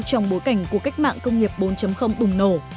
trong bối cảnh của cách mạng công nghiệp bốn bùng nổ